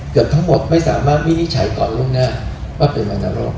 เกือบทั้งหมดไม่สามารถวินิจฉัยก่อนล่วงหน้าว่าเป็นวรรณโรค